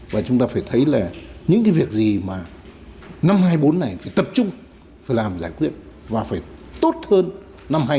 và chúng ta phải thấy là những cái việc gì mà năm hai nghìn bốn này phải tập trung phải làm giải quyết và phải tốt hơn năm hai nghìn một mươi